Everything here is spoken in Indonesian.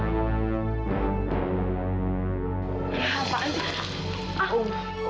ya apaan tuh